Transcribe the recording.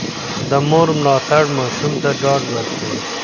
د مور ملاتړ ماشوم ته ډاډ ورکوي.